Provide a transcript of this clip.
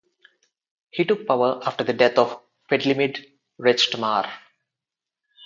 He took power after the death of Fedlimid Rechtmar.